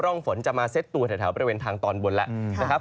ร่องฝนจะมาเซ็ตตัวแถวบริเวณทางตอนบนแล้วนะครับ